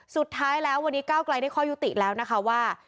สุดท้ายแล้ววันนี้ก้าวไกลได้ข้อยุติแล้วนะคะว่า